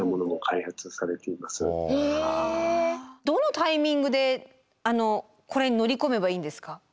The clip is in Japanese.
どのタイミングでこれに乗り込めばいいんですか？